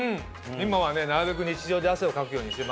今はねなるべく日常で汗をかくようにしてますよ。